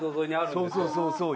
そうそうそうそう。